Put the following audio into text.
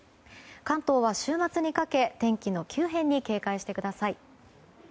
関東は週末にかけ天気の急変に警戒してください。